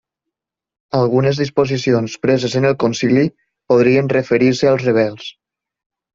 Algunes disposicions preses en el Concili podrien referir-se als rebels.